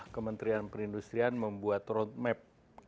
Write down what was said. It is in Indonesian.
kementerian perindustrian membuat roadmap